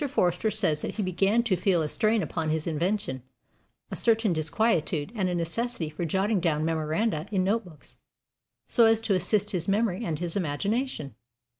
Forster says that he began to feel a strain upon his invention, a certain disquietude, and a necessity for jotting down memoranda in note books, so as to assist his memory and his imagination.